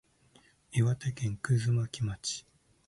岩手県葛巻町